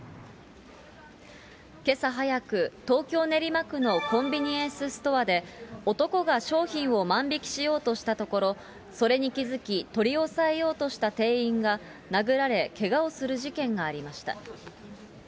けさ早く、東京・練馬区のコンビニエンスストアで、男が商品を万引きしようとしたところ、それに気付き、取り押さえようとした店員が殴られ、けがをする事件がありました。